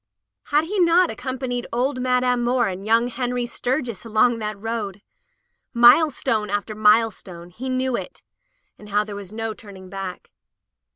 Had he not ac companied old Madame Moore and young Henry Sturgis along that road? Milestone after milestone, he knew it, and how there was no turning back.